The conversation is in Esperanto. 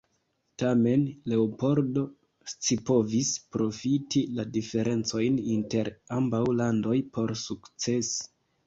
Tamen, Leopoldo scipovis profiti la diferencojn inter ambaŭ landoj por sukcesi.